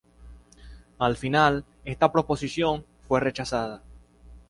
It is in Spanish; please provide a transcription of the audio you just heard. Al final, esta proposición fue rechazada.